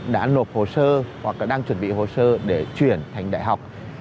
đã nộp hồ sơ hoặc là đang chuẩn bị hồ sơ để chuyển thành đại học